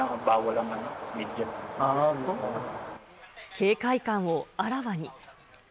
警戒感をあらわに。